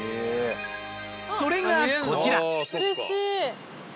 それがこちら。